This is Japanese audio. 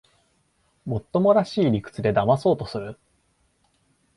もっともらしい理屈でだまそうとする